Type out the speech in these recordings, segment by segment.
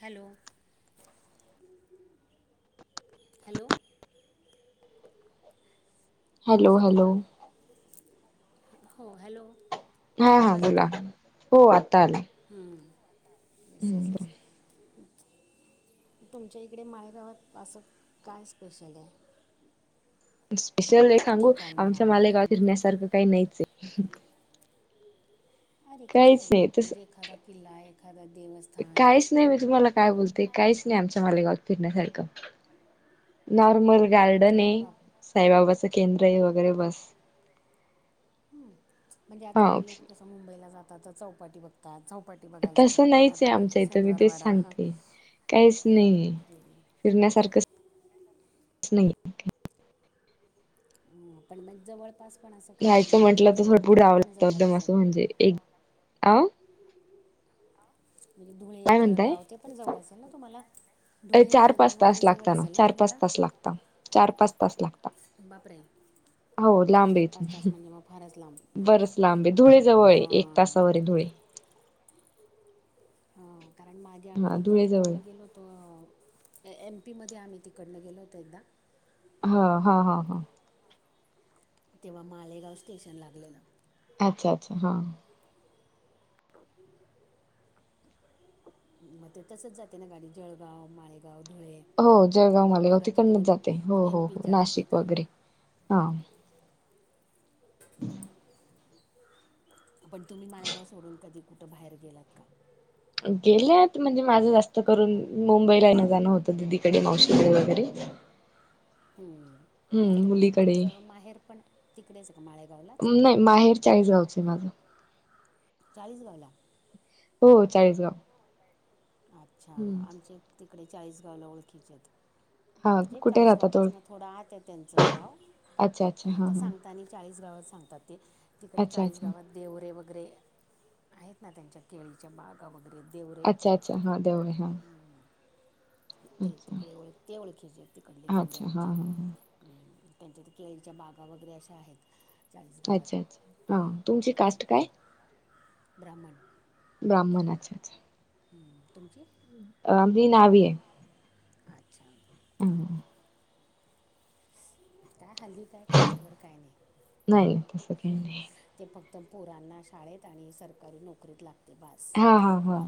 Hello. Hello. आवाज hello. येतो आहे हॅलो. का हो हॅलो. हा हा आवाज येतो बोला. आहे हो आता आला. हम्म बसस [unintelligible] तुमच्या इकडे मालेगावात असं काय स्पेशल आहे? स्पेशल हे सांगू. ठिकाण म्हणा आमच्या मालेगाव फिरण्यासारखं काही नाहीच आहे. अरे काहीच नाही. म्हणजे एखादा किल्ला. एखादा देवस्थान. काहीच नाही मी तुम्हाला काय बोलते काहीच नाही आमच्या मालेगावात फिरण्यासारखं. नॉर्मल गार्डन अरे आहे बाप साईबाबाच केंद्र आहे. वगैरेव बस. हम्म म्हणजे हा आता लोक कसं मुंबईला जातात. तर चौपाटी बघतात. चौपाटी बघायला जातात. तसं नाहीच पुण्यात आहे आले की आमच्या इथं मी तेच शनिवारवाडा हा सांगते काहीच नाही अरे फिरण्यासारखं. नाही. हम. पण मग जवळपास पण असं काही. यायचं म्हणजे आता म्हटलं तर थोडं पुढे धुळे-धुळे जावं पण लागतं जवळ एकदम असं असेल. म्हणजे एक अ. धुळे. काय म्हणताय जळगाव ते पण जवळ असेल ना तुम्हाला. धुळे चार जळगाव वगैरे जवळ असेल ना तुम्हाला. चार-पाच बापरे. हो लांब आहे चार-पाच तास इथून मग बरच लांब. बरंच लांब आहे धुळे जवळ आहे हा. एक तासावर आहे धुळे [unintelligible] हा कारण. मागे हा आम्ही एकदा धुळे जवळ तिकडनं गेलोतो. एम. पी. मध्ये आम्ही तिकडनं गेलो होतो एकदा. हा. हा. हा. हा. तेव्हा मालेगाव स्टेशन लागलेलं. अच्छा-अच्छा हा. मग ते तसच जाते ना गाडी जळगाव-मालेगाव. हो जळगाव-मालेगाव तिकडनच जाते. हो, एम हो, हो पीच्या नाशिक हद्दीत वगैरे.. हां हा. हम् [unintelligible] पण तुम्ही मालेगाव सोडून कधी कुठं बाहेर गेलात का? गेल्यात म्हणजे माझं जास्त करून. मुंबईला येन जाणं होत. दीकडे मावशी कड वगैरे. हम्म. तुम तुमचं माहेर पण. तिकडेच का माळेगावलाच. नाही माहेर चाळीसगावच आहे माझं चाळीस गावला. हो चाळीसगाव. अच्छा हम्म आमचे तिकडे. चाळीस गावला ओळखीचेत. म्हणजे हा म्हणजे कुठे तासगाव राहतात पासन. थोडं आत त्यांचं गाव. अच्छा अच्छा पण हा आता हा सांगत आणि चाळीस गावात सांगतात ते. तिकडे अच्छा चाळीस अच्छा गावात देवरे वगैर. वगैरे आहेत ना त्यांच्या. केळीच्या बागा वगैरे. देवरे अच्छा-अच्छा हा देवय हा. ते तिकडे ओळख ते ओळखीचे आहेत तिकडले देवऱे अच्छा हां आमच्या. हां हां त्यांच्यात केळीच्या बागा वगैरे अशा आहेत. अच्छा चाळीसगावात अच्छा, हा तुमची कास्ट काय? ब्राह्मण. ब्राह्मण अच्छा अच्छा. तुमची? आ मी नावी हाय. अच्छा. उ हू. काय हल्ली काय कास्टवर काय तसं काही नाही नाही ते फ क्त पोरांना शाळेत आणि सरकारी नोकरीत लागते बास. हां हां हां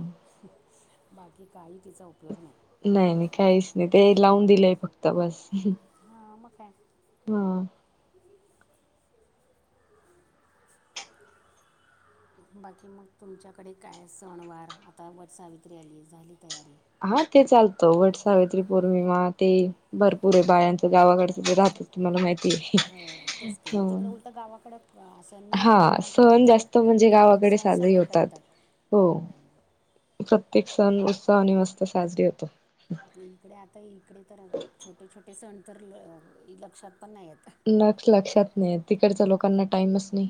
बाकी काही तिचा उपयोग नाही. नाही काहीच नाही ते लावून दिलंय फक्त बस. हां मग काय हा. बाकी मग, तुमच्याकडे काय सण वार आता वट सावित्री आली झाली तयारी? हा ते चालतं, वट सावित्री पौर्णिमा ते भरपूर ये बायांच गावाकडचं ते राह त तुम्हाला माहि हो, तेच की, मग तिकडं उलटं गावाकडं अं, असं हा नीट निवांत सण जास्त करतात म्हणजे गावाकडे सण साजरीे सगळे होतात. करतात हो. प्रत्येक सण उस इकडे आता इकडे तर छोटे छोटे सण तर ल लक्षात पण नाही येत. न लक्षात नाही तिकडचा लोकांना टाइमच नाही.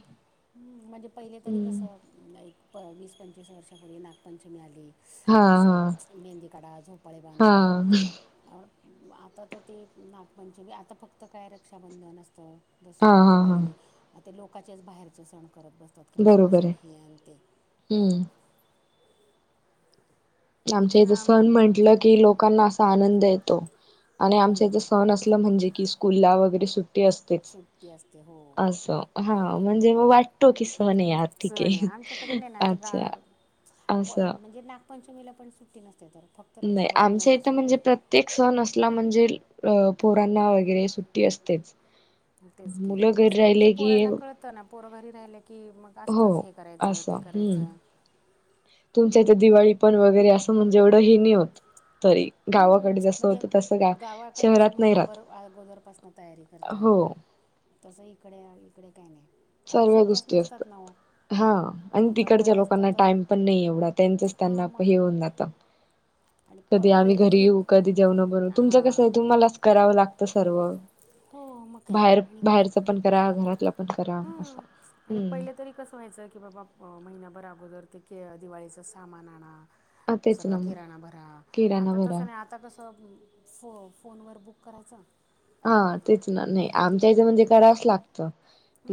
हम् म्हणजे पहिले तरी हम्म. कसं, एक वीस पंचवीस वर्षापूर्वी नागपंचमी आली हा त्यासं हा मेहंदी काढा, झोंपाळे हा बांधा आता तर ते नागपंचमी बी आता फक्त काय रक्षाबंधन असतं. हा दसरा, हा हा दिवाळी आ ते लोकाचेच बाहेरचे सण करत बसतात, ख्रिसमस बरोबर आहे. आणि हे आनि ते. हम्म आमच्या इथं आम सण म्हंटलं की, लोकांना असा आनंद येतो. आणि आमच्या इथ सण असलं म्हणजे कि स्कूलला वगैरे सुट्टी असतेच सुट्टी असते हो अस, हा. म्हणजे म वा टतो, कि सन हे यार ठीक ए सण आहे आमच्याकडे नाही ना आता अच्छा आस. पंचमीला पण सुट्टी नस नाही आमच्या इथं म्हणजे प्रत्येक सण असला म्हणजेल अ. पोरांना वगैरे सुट्टी असतेच. तेच की मुलं घरी आणि ते राहिले की पोरांना कळतं ना? पोर घरी राहिल्या की मग हो असतंच हे करायचं, असं ते हम्म. करायचं. तुमच्या इथे दिवाळी पण वगैरे असं म्हणजे एवढं हे नाही होत. तरी हम्म, गावाकडे जस म्हणजे होत तस गा गावाकडे कसं शहरात नाही राहत. महिनाभर हो. तस इकडे इकडे काही नाही, कारण सर्व सुट्ट्याच गोष्टी असतात. नसतात ना ओ. हा आणि तिकडच्या लोकांना टाइम पण नाहीए एवढा, त्यांचच हां त्यांना मग हे होऊन जातं. [inaudible] कधी आम्ही पहिले घरी तरी येऊ, कधी जेवणं बनवु, तुमचं कसं आहे हां तुम्हालाच करावं लागतं सर्व. हो मग काय बाहेर आणि बाहेरच पण करा घरातलं पण करा. असं. आणि हम्म पहिलं तरी कसं व्हायचं की बाबा महिनाभर अगोदर दिवाळीच सामान आणा हा तेच सगळा ना मग किराणा भरा किराणा आता भरा तसं नाही आता कस. तर फो फोनवर बुक करायचां हा तेच ना नाही आमच्याचं म्हणजे कराच लागत.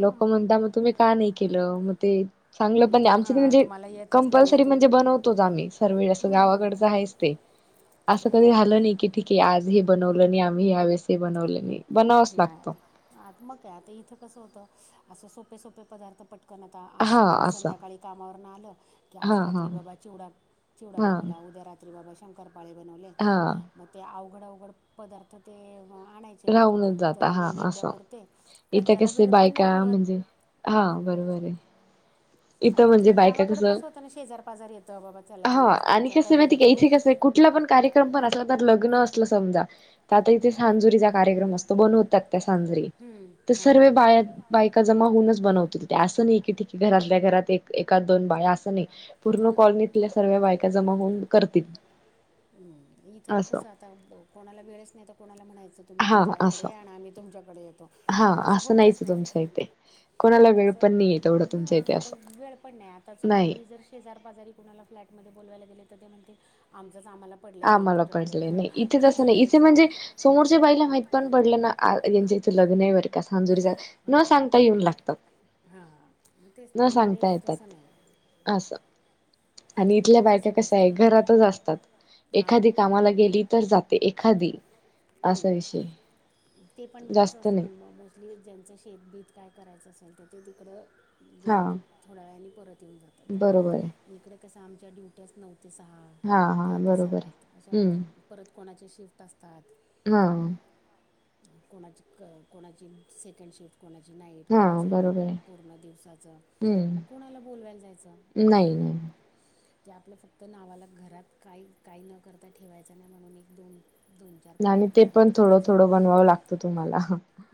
लोक म्हणता मग तुम्ही का नाही केलं मग ते चांगलं पण नाही तो आमच ते हां म्हणजे तुम्हाला येतच नाही कंपल्सरी म्हणजे तुमच्याकडून बनवतोच आम्ही सर्वं हं. गावाकडचं आहेच ते. [unintelligible] असं कधी काय झालं नाही की ठीके आज हे बनवलं नाही आम्ही यावेळेस बनवलं नाही. बनवावच लागतो नाही आता मग काय आता इथं कसं होतं असं सोपे सोपे पदार्थ पट कण आता आज हा संध्या असं संध्याकाळी कामावरून आलं. की हा आज हा रात्री बाबा चिवडा चिवडा हा बनवला उद्या रात्री बाबा शंकर पाळे बनवले हा मते अवघड अवघड पदार्थ ते आणायचे विकत राहूनच जात. त- हा असं नैवेद्यापुरते कारण इथ त्याला कस वेळ पण नाही बायका पुरत म्हणजे हा बरोबरय. आणि ती गावाकड कसं होतं ना शेजार पाजार येतं बाबा चला तू आज तुमच्या करंज्याकरू. कुटला पण कार्यक्रम पण असला तर लग्न असलं समजा तर आता इथे सांजुरीचा कार्यक्रम असतो बनवतात. हम्म, ज सर्व हां बा बायका जमा होऊनच बनव अस नाही कीठीरात आपल्या घरात एका दोन बाया असणे पूर्ण कॉलनीतल्या सर्व्या बायका जमा होऊन करतील. हम्म इथं असं कसं आता कोणाला वेळेच नाही तर कोणाला म्हणायचं तुम्ही हा असं आमच्याकडे आण आम्ही त [unintelligible] हा असं नाहीच तुमच्या इथे कोणाला वेळ पण नाइय. हा आता वेळ पण नाइ आता समजा नाही मी जर शेजार पाजारी कुणाला प्लॅटमध्ये बोललावायला गेले. तर ते म्हणते आम आम्हाला पडटलंय नाही इथे तसं कधी नाही इथे यायचं म्हणजे समोरच्या बाईला माहि पण पडलं ना यांच्या इथं लग्न आहे बरं का समजुरी न हां सांगता येऊन लागतात. हां मग तेच न नाही इकडे सांगता तसं येतात नाही आस. आणि इतल्या इथं बायका तसं कस आहे नसतंय घरातच असतात हां एखादी कामाला गेली तर जाते एखादी असा हम्म विषय ते पण कस जास्त नाही असतं मोस्टली ज्यांचं शेेतबीत काय करायचं असेल तर ते तिकडं गेले की थोड्या वेळाने परत येऊन बरोबरय. जातात इकडे कसं आमच्या ड्युट्याच नऊ ते सहा हा दहा ते बरोबर आहे सात अशा हम्म परत कोणाचे शिफ्ट असतात. [unintelligible] कोणाची क कोणाची सेकंड शिफ्ट कोणाची नाईट हा कोणाचं बरोबर आहे पूर्ण दिवसाचं मग हम्म कोणाला बोलवायला जायचं. नाही नाही [unintelligible] ते आपलं फक्त नावाला घरात काइ काइ न करता ठेवायचं नाइ म्हणून एक दोन दोन चार नाइ पदार्थ ते पण घरात थोडं करायचे थोडं बनवावं लागतं तुम्हाला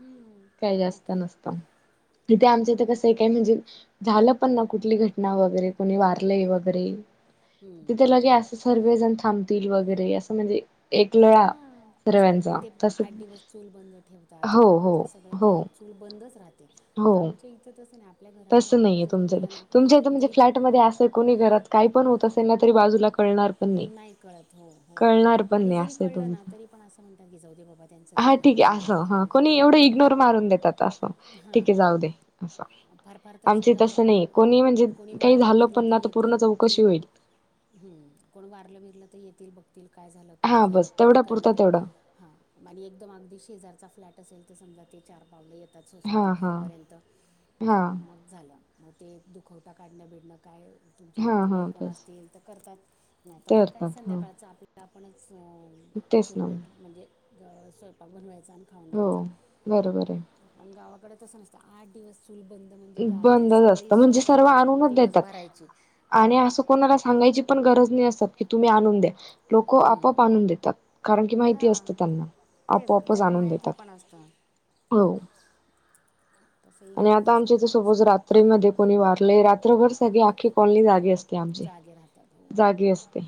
हम्म, मग जास्त काय नसतं. इते आमच्या इत कसं आहे काय म्हणजे झालं पण ना कुठली घटना वगैरे कोणी वारलंय वगैरे हम्म. तिथे लगे असं सर्वजण थांबतील वगैरे असं म्हणजे एक लळा. हां आणि ते आठ दिवस चूल बंद ठेवतात हो हो गावातल सगळ हो त्याला चूल बंदच राहतात. हो आमच्या इथं तसं नाइ. तसं नाहीये तुमच्या तुमच्या इथ म्हणजे तरी फ्लॅटमध्येध्ये असेल कोणी घरात काय पण होत असेल ना तरी बाजूला पळणार पण नाइ. नाइ कळत हो हो आणि जरी आहे कळलं ना तुमचं तरी पण असं म्हणतात गि जाऊ दे बाबा त्यांच हा तेयना ठीक बघून आहे घेत. असं हा कोणी एवढं इग्नोर मारून देतात असं ठीकेय जाऊ हां दे असं. फार फार तर आमचे समजा आता तसं नाही, कोणी म्हणजे कोणी काही वारलं झालं बिरलं पण ना तर येतील पूर्ण चौकशी बघतील होईल. हम्म कोण वारलं बिरलं तर येतील बघ. काय झाल? कधी हा झाल? बस कधी तेवढा पुरता करणारए? तेवढा हा आणि एकदम अगदी शेजारचा फ्लॅट असेल तर समजा ते चार पावलं येतात हा सोसायटी हा बाहेरपर्यंत हा मग झालं. मग ते दुखवटा काढणं-बिडणं काय तुमचे हा हा नातेवाईक कोण बस असतील तर करतात. नाही तर ते मग काय करतात हो संध्याकाळचं आपल्या आपणच तेच चुल ना पेट म्हणजे अ.. स्वयंपाक बनवायचा आणि खाऊन हो घ्यायचा, बरोबर पण गावा कड तसं नसतं आठ दिवस चूलबंद म्हणजे आहे गावातले बंदच सगळे असतं सोय म्हणजे सर्व करतात आणूनच देतात दिवसभराची हां. तेची गरज नाही अस की तुम्ही आणून द्या. लोक हं. आपोआप आणून देतात, कारण की माहिती असत हां त्यांना तेच आपोआपच त्यांना आणून माहिती देतात. पण असतं हो तसे आणि इकडे आता तसं आमच्या इथ काहीच सपोज नाही रात्री मध्ये कोणी वारलय, रात्रभर सगळे आखी कॉलनी जागी अस जागे राहतात हो जागी असते.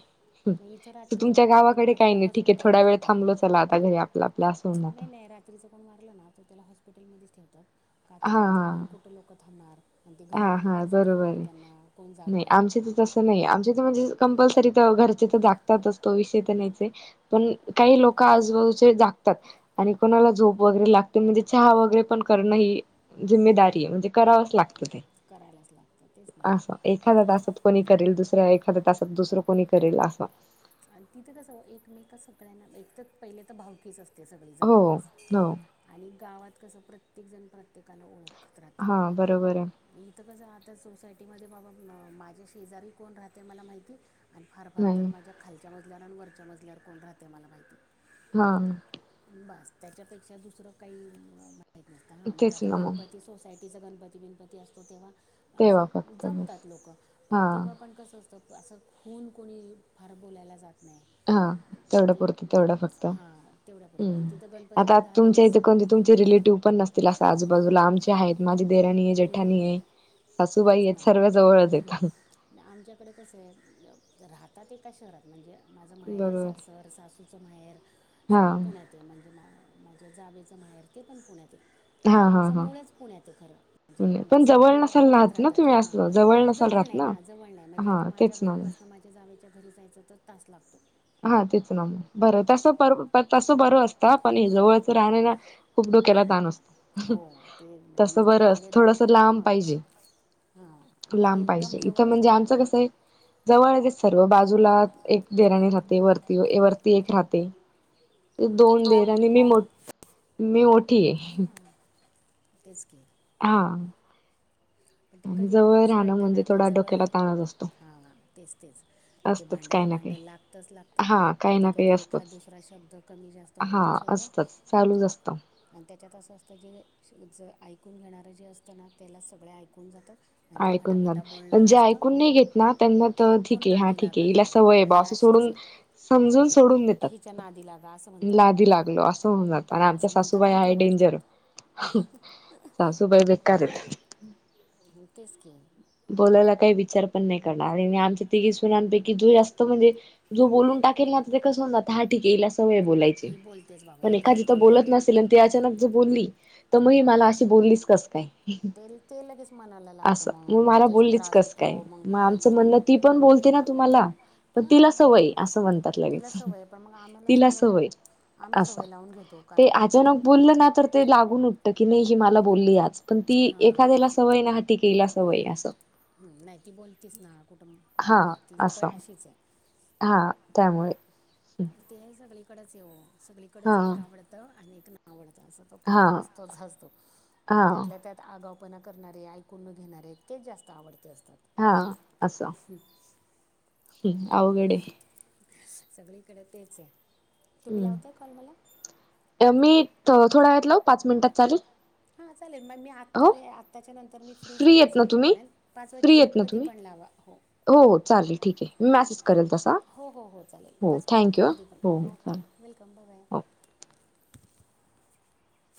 नाही इथं रात्रीचं तुमच्या कोण मारलं गावाकडे का काही त्याला नाही ठीक आहे हॉस्पिटलला थोडा वेळ ठेवतात थांबलो चला आता घरी आपलं आपलं असू ना आता नाही नाही रात्रीचं कोण वारलं ना तर त्याला हॉस्पिटलमध्येच ठेवतात का तर हा रात्रभर कुठं लोकं थांबणार आणि ते हा घरी हा आणून कसं ठेवणार त्यांना, कोण जागणार तस नाही आमच्या इथं म्हणजे कंपलसरी तर घरचे तर जागतातच. तो विषय तर नाहीच आहे, पण काही लोक आजूबाजूचे जागतात आणि कोणाला झोप वगैरे लाग म्हणजे चहा वगैरे पण करण ही जिम्मेदारी आहे. हम्म, म्हणजे करावच लागत. करायलाच लागतं तेच ना असं एखाद्या तासात कोणी करेल, दुसऱ्या एखाद्या तासात दुसरं कोणी करेल. अस आणि तिथे कसं एकमेक अस सगळ्यांना एक तर पहिले तर भावकीच असते सगळी हो जवळपास हो आणि गावात कसं प्रत्येकजण, प्रत्येकाला ओळखत. हा बरोबर आहे. तर सोसायटीमध्ये बाबा माझ्या शेजारी कोण राहते मला माहिती नाही. आणि फार-फार तर नाही माझ्या खालच्या मजल्यावर आणि वरच्या मजल्यावर कोण राहते मला माहिती. हा. बस त्याच्यापेक्षा दुसरं काही नाही इतकेच. आता गणपती सोसायटीचा गणपती-बिणपती असतो तेव्हा. तेव्हा असे फक्त बस जमतात लोक. हा पण तेव्हा पण कस तर असं खून कोणी फार बोलायला जात नाही. हा तेवढं ते पुरतं तेवढं फक्त्. हां तेवढ्यापुरतं म्हणजे तिथं आता गणपतीचे दहा तुमच्या दिवस इथ कोणते तुमचे रील रिटिव्ह पण नसतील असं आजूबाजूला. आमचे आहेत माझी देराणी आहे. जेठानी आहे. सासूबाई तेच आहेत ना सर्व जवळच आहेत आमच्याकडे कसं आहे. राहतात एका शहरात म्हणजे माझं माहेर बरोबर सासर, सासूचं माहेर, हा सगळं पुण्यात आहे म्हणजे मा माझ्या जावेच माहेर, ते पण पुण्यात म्हणजे हा हा आमचं हा मुळेच पुण्यात आहे खरं. म्हणजे पुणे आमच्या पण सात जवळ पिढ्या नसाल पुण्यात राहत ना राहतात. तुम्ही हा असं पण नसाल जवळ राहत नाही ना जवळ नाही म्हणजे हा आता माझ्या तेच घरा ना मग माझ्या जावेच्या घरी जायचं तर तास लागतो हा तेच ना बरं तस-तस बरं असत पण. हे जवळच राहणे ना खूप डोक्याला. हो ते म्हणजे तस नुसते बरंच हेवे दावे थोडस करतात लांब मग पाहिजे. हां ते लांब एकदम पाहिजे जवळ इथं म्हणजे असलं ना आमचं का कसं आहे जवळ हाय ते. सर्व बाजूला एक राणे जाते. वरती एक राहते. दोन दीर आणि मी मधी मी मोठी आहे. तेच की. हा. [unintelligible] पण ते आणि कधी कधी जवळ असं राहणं वाटतं म्हणजे ना का? थोडा जवळ डोक्याला राहाय ताणच असतो हा हा. तेच तेच, मग ते असतच काही भांड्याला ना भांड काही लागतच लागतं. हा काही कधी ना काही कधी एखाद असतच दुसरा शब्द कमी जास्त होतोच होतो. असतो. आणि त्याच्यात असं असतं जे ज ऐकून घेणारं जे असतं ना, त्यालाच सगळे ऐकून जातात ऐकून जात म्हण जे ऐकून नाही घेत ना, त्यांना तर त्याला कोण ठीकये हा नादी ठीकये, लागत हिला नाही सवय हाय बा ही असच अशीच सोडून आहे समजून हां सोडून कुठं देतात. हिच्या नादी लागा असं ला म्हणतात लागी लागलो आस होऊन जात आणि आमच्या असं म्हणतात सासूबाई आणि ग हाय डेंजर, बसतात सासूबाई बेकार हाएत. तेच की. बोलायला काही विचार पण नाही करणार आरे आणि आमच्या तिघी सूणांपैकी जो जास्त म्हणजे जो बोलून टाकील ना आपल कसं होणार? धा टेकीलास. सवय बोलायची. ही बोलतेच बाबा पण ही काय एखादी जर ऐकून नाही बोलत घेत नसेल अन अचानक जर बोलली, तर मग मला ही हां अशी बो ललीस कस काय? ते ते लगेच मनाला लागतं असं. मग मला त्याचा बोललीच त्रास कसं होतो काय मग? आमचं तू म्हणणं, ती पण बोलते ना तुम्हाला? तर तिला हां सवय ये असं म्हणतात तिला लगेच, सवय आहे, पण मग आम्हाला तिला सवय आम्ही असं सवय लावून घेतो ते कारण तो ती अचानक बोललं ना, तर ते लागून की नाही ही मला बोलली आज, पण ती हां एखाद्याला सवय ना हात टेकीला सवय आहे असं. हम्म नाही ती बोलतीच ना कुठं कुठं हा काय? ती प असं अशीच हाय. हा त्यामुळे ते हाय सगळीकडेच ये ओ हा सगळीकडेच, एक आवडतं आणि एक ना आवडत. असा तो हा प्रकार असतोच असतो. हा त्यातल्या त्यात आगाव पना करणारे, ऐकून न घेणारे, तेच जास्त आवडते असते. [inaudible] हा अस, [inaudible] [unintelligible] अवघडे [inaudible] सगळीकडे तेच आहे. [inaudible] तुम्ही लावताय कॉल मला हम् [inaudible] मी थोडा वेळात लावु पाच मिनिटात चालेल, [inaudible] हाच चालेल मग मी आत्ता हो आत्ताच्या नंतर मी फ्रीच आहे फ्री येत पाच ना तुम्ही वाजेपर्यंत पाच फ्री वाजेपर्यंत येत ना कधी तुम्ही पण लावा हो, हो चालेल ठीक आहे मी मेसेज करेल तसा, हो हो हो चालेल हो पाचपर्यंत कधी पण ओके वेलकम, [inaudible] - बाय बाय [unintelligible] - [inaudible]